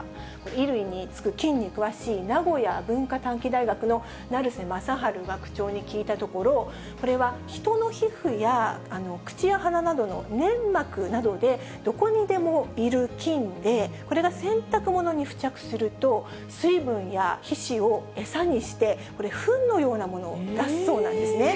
衣類につく菌に詳しい、名古屋文化短期大学の成瀬正春学長に聞いたところ、これは人の皮膚や口や鼻などの粘膜などでどこにでもいる菌で、これが洗濯物に付着すると、水分や皮脂を餌にして、ふんのようなものを出すそうなんですね。